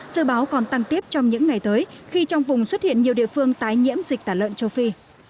dự báo còn tăng tiếp trong những ngày tới khi trong vùng xuất hiện nhiều địa phương tái nhiễm dịch tả lợn châu phi